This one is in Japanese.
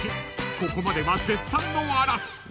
ここまでは絶賛の嵐］